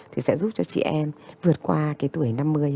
thì sẽ giúp cho chị em vượt qua cái tuổi năm mươi